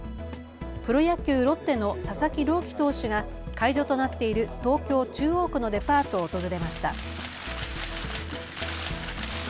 プロ野球・ロッテの佐々木朗希投手が会場となっている東京中央区のデパートを訪れました。